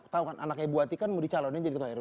tau kan anaknya buati kan mau dicalonin jadi ketua rw